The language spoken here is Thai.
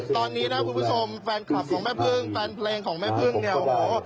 ตอนนี้นะคุณผู้ชมแฟนคลับของแม่พึ่งแฟนเพลงของแม่พึ่งเนี่ยโอ้โห